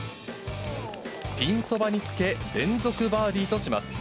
ピンそばにつけ、連続バーディーとします。